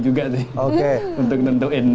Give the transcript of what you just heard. juga sih untuk nentuin